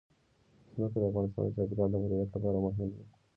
ځمکه د افغانستان د چاپیریال د مدیریت لپاره مهم دي.